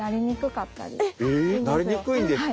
なりにくいんですか。